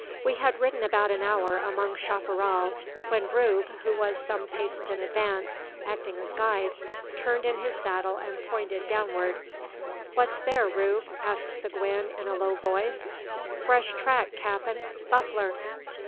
We had ridden about an hour among chapparal, when Rube, who was some paces in advance, acting as guide, turned in his saddle and pointed downward. "What's there, Rube?" asked Seguin, in a low voice. "Fresh track, cap'n; buffler!"